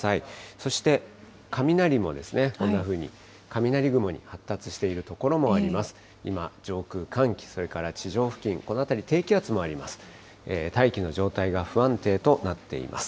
そして、雷もですね、こんなふうに、雷雲に発達している所もあります。